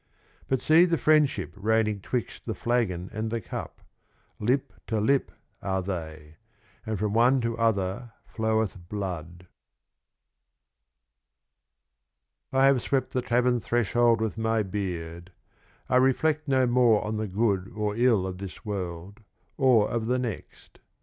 But see the Friendship reigning 'twixt the Flagon and the Cup : Lip to Lip are they ; and from one to other floweth Blood. (3(>3J I have swept the Tavern Threshold with my Beard. I reflect no more on the Good or III of this World, or of the Next.